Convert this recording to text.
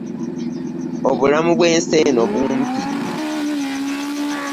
Obulamu bw'ensi eno bumpi.